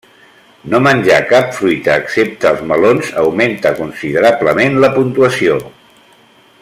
No menjar cap fruita excepte els melons augmenta considerablement la puntuació.